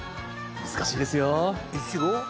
難しいですよ。